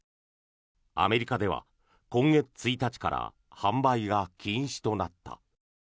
アメリカでは今月１日から販売が禁止となった。